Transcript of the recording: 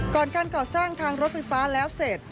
ก่อนการก่อสร้างทางรถไฟฟ้าแล้วเสร็จ